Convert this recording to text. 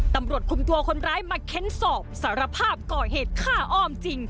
ตำรวจคุมตัวคนร้ายมาเค้นสอบสารภาพก่อเหตุฆ่าอ้อมจริง